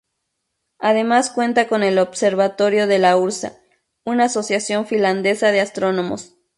Además cuenta con el observatorio de la Ursa, una asociación finlandesa de astrónomos.